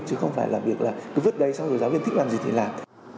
chứ không phải là việc là cứ vứt đấy xong rồi giáo viên thích làm gì thì làm